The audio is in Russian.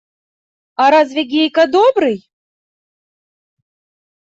А разве Гейка добрый?